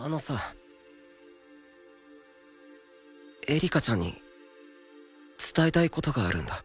エリカちゃんに伝えたい事があるんだ。